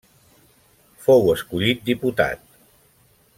Fou escollit diputat.